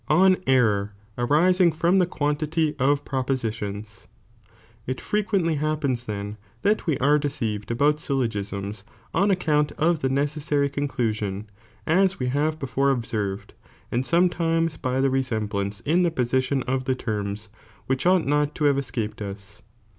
— On Error, arising from the quantity of Propositions. 1, cuueofde It frequently happens then, that we are deceived ^1)^^' about Hjllogisms, on account of the neteasary wth^"? h''"" (co'"'''^''"i)i *s we have before observed, and some qiumiiyof times by the resemblance' in the position of the piopcaiiioni. terms, which ought not to have escaped ua.